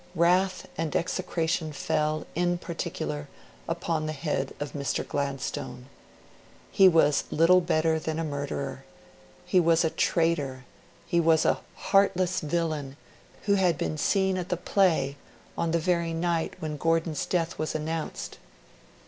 Wrath and execration fell, in particular, upon the head of Mr. Gladstone. He was little better than a murderer; he was a traitor; he was a heartless villain, who had been seen at the play on the very night when Gordon's death was announced.